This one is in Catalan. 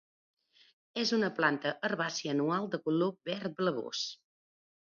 És una planta herbàcia anual de color verd blavós.